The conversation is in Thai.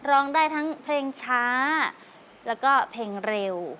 ร้องได้ทั้งเพลงช้าแล้วก็เพลงเร็ว